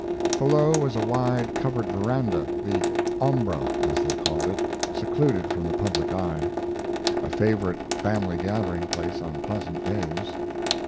Below was a wide, covered veranda, the "ombra," as they called it, secluded from the public eye a favorite family gathering place on pleasant days.